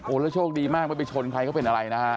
แล้วโชคดีมากไม่ไปชนใครเขาเป็นอะไรนะฮะ